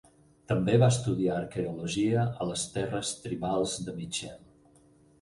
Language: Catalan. També va estudiar arqueologia a les terres tribals de Michelle.